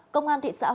công an thị xã hòa